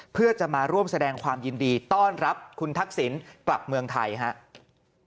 เพื่อจะมาร่วมแสดงความยินดีต้อนรับคุณทักษิณกลับเมืองไทยครับ